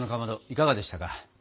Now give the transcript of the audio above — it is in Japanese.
いかがでしたか？